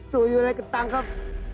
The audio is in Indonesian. tuyo udah ketang kap